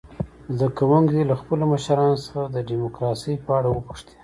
زده کوونکي دې له خپلو مشرانو څخه د ډموکراسۍ په اړه وپوښتي.